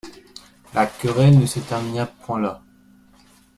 La querelle ne se termina point là.